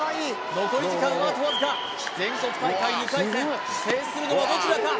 残り時間あとわずか全国大会２回戦制するのはどちらか？